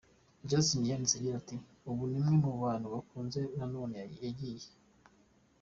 Justin yanditse agira ati :« Uyu ni umwe mu bantu nakunze none yagiye.